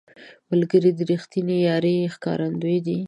ملګری د رښتینې یارۍ ښکارندوی دی